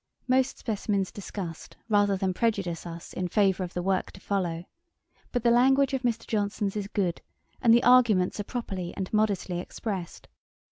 Most specimens disgust, rather than prejudice us in favour of the work to follow; but the language of Mr. Johnson's is good, and the arguments are properly and modestly expressed.